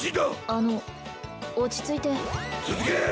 あの落ち着いて続け！